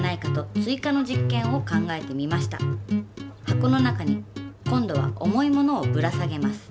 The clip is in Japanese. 箱の中に今度は重いものをぶら下げます。